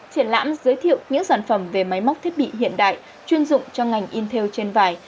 triển lãm giới thiệu những sản phẩm về máy móc thiết bị hiện đại chuyên dụng cho ngành in theo trên vải